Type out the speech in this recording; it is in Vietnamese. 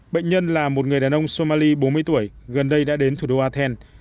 bệnh nhân là một người đàn ông somali bốn mươi tuổi gần đây đã đến thủ đô athens